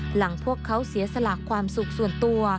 หลังพวกเขาเสียสละความสุขส่วนตัว